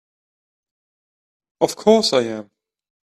Of course I am!